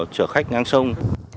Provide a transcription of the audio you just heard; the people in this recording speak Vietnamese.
trở khách ngang sông